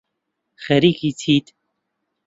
خەریکی چیت